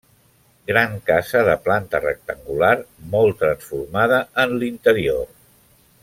Gran casa de planta rectangular, molt transformada en l'interior.